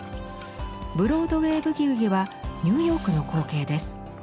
「ブロードウェイ・ブギウギ」はニューヨークの光景です。